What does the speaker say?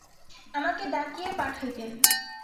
আমাকে ডাকিয়া পাঠাইতেন।